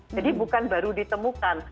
jadi bukan baru ditemukan